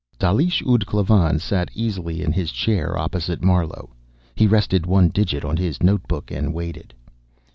Dalish ud Klavan sat easily in his chair opposite Marlowe. He rested one digit on his notebook and waited.